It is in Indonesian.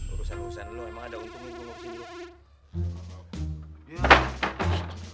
urusan urusan lo emang ada untung untung di sini